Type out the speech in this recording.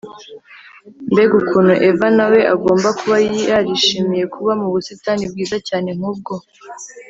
Mbega ukuntu Eva na we agomba kuba yarishimiye kuba mu busitani bwiza cyane nk ubwo